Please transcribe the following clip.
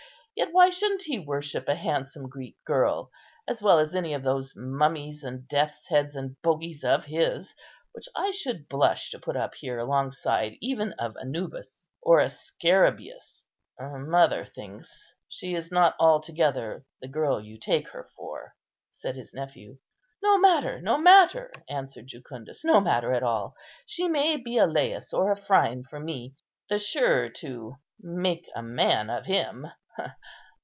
yet why shouldn't he worship a handsome Greek girl as well as any of those mummies and death's heads and bogies of his, which I should blush to put up here alongside even of Anubis, or a scarabæus?" "Mother thinks she is not altogether the girl you take her for," said his nephew. "No matter, no matter," answered Jucundus, "no matter at all; she may be a Lais or Phryne for me; the surer to make a man of him."